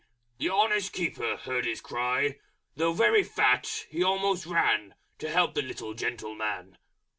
The Honest Keeper heard his cry, Though very fat he almost ran To help the little gentleman.